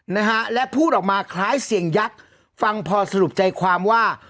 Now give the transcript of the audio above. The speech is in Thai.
นะฮะและพูดออกมาคล้ายเสียงยักษ์ฟังพอสรุปใจความว่า